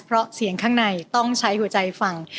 เพราะเสียงข้างในต้องใช้หัวใจฟัง